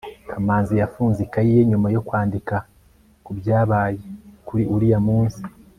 kamanzi yafunze ikayi ye nyuma yo kwandika kubyabaye kuri uriya munsi